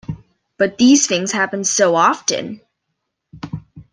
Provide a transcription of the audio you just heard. But these things happen so often!